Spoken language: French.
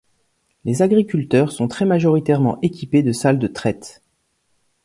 Les agriculteurs sont très majoritairement équipés de salle de traite.